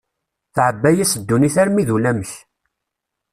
Tεebba-yas ddunit armi d ulamek.